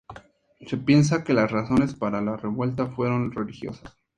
Se piensa que las razones para la revuelta fueron religiosas.